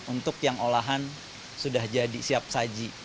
untuk yang olahan sudah jadi siap saji